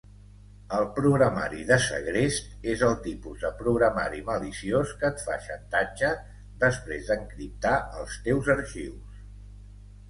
El programari de segrest és el tipus de programari maliciós que et fa xantatge després d'encriptar els teus arxius.